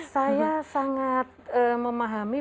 saya sangat memahami